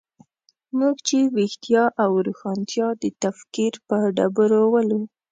موږ چې ویښتیا او روښانتیا د تکفیر په ډبرو ولو.